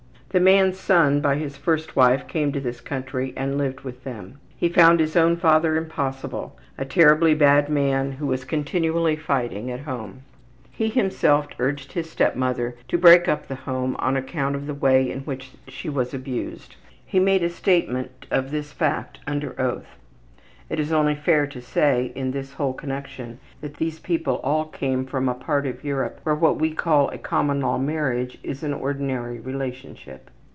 The man's son by his first wife came to this country and lived with them. He found his own father impossible a terribly bad man who was continually fighting at home. He himself urged his step mother to break up the home on account of the way in which she was abused. He made a statement of this fact under oath. (It is only fair to say in this whole connection that these people all came from a part of Europe where what we call a common law marriage is an ordinary relationship.)